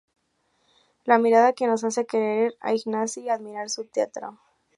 La mirada que nos hace querer a Ignasi y admirar su teatro.